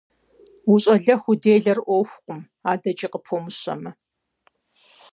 УщӀалэху уделэр Ӏуэхукъым, адэкӀи къыпомыщэмэ.